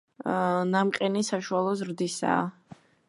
ნამყენი საშუალო ზრდისაა.